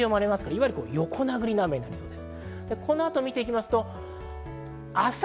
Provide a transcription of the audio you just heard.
いわゆる横殴りの雨になりそうです。